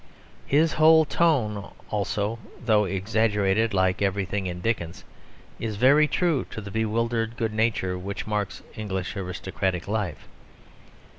His whole tone also, though exaggerated like everything in Dickens, is very true to the bewildered good nature which marks English aristocratic life.